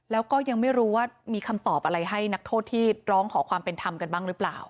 แล้วก็ยังไม่รู้ว่ามีคำตอบอะไรให้นักโทษที่ร้องขอความเป็นธรรมกันบ้างหรือเปล่า